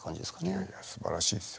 いやいやすばらしいですよ。